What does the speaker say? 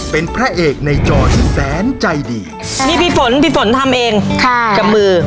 เป็นพระเอกในจอที่แสนใจดีนี่พี่ฝนพี่ฝนทำเองค่ะกับมือ